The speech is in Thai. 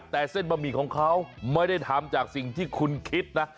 แต่เส้นบะหมี่ของเขาไม่ได้ทำจากสิ่งที่คุณคิดนะ